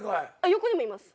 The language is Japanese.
横にもいます。